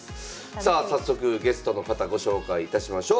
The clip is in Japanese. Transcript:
さあ早速ゲストの方ご紹介いたしましょう。